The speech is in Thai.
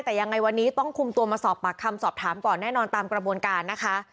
แต่ยังไงวันนี้ต้องคุมตัวมาสอบปากคำสอบถามก่อนแน่นอนตามกระบวนการนะคะ